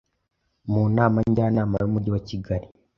mu nama njyanama y’umujyi wa Kigali